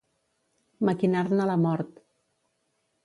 Maquinar-ne la mort.